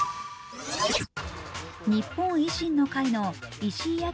日本維新の会の石井章